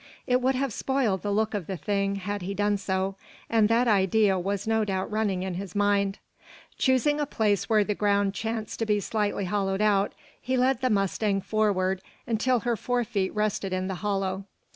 It would have spoiled the look of the thing, had he done so; and that idea was no doubt running in his mind. Choosing a place where the ground chanced to be slightly hollowed out, he led the mustang forward, until her fore feet rested in the hollow.